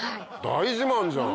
大自慢じゃん。